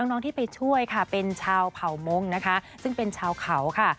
น้องที่ไปช่วยค่ะเป็นชาวเผ่ามงค์นะคะซึ่งเป็นชาวเขาค่ะ